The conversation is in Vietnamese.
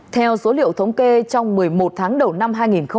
theo số liệu thống kê trong một mươi một tháng đầu năm hai nghìn hai mươi